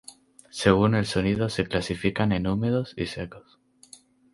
Según el sonido, se clasifican en húmedos y secos.